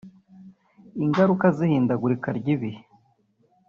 Ingaruka z’ihindagurika ry’ibihe